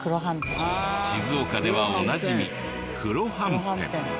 静岡ではおなじみ黒はんぺん。